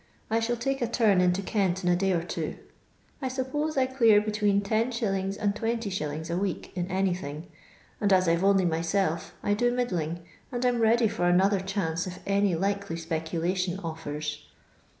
I shall take a torn into Kent in a day or two. I suppoie I clear between lOs. and 20«. a week in anything, and as I 'to only myself I do middling, and am ready for another chsnce if any likely specoktion oilers.